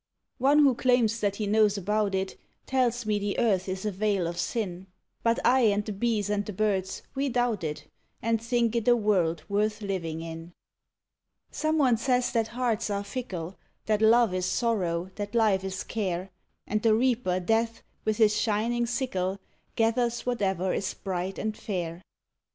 One who claims that he knows about it Tells me the Earth is a vale of sin; But I and the bees and the birds we doubt it, And think it a world worth living in. Some one says that hearts are fickle, That love is sorrow, that life is care, And the reaper Death, with his shining sickle, Gathers whatever is bright and fair.